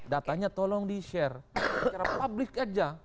datanya tolong di share secara publik aja